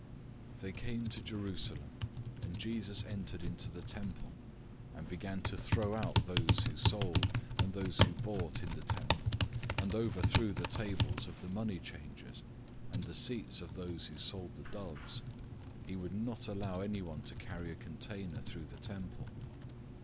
011:015 They came to Jerusalem, and Jesus entered into the temple, and began to throw out those who sold and those who bought in the temple, and overthrew the tables of the money changers, and the seats of those who sold the doves. 011:016 He would not allow anyone to carry a container through the temple.